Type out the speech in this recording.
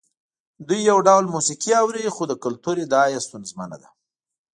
دوی یو ډول موسیقي اوري خو د کلتور ادعا یې ستونزمنه ده.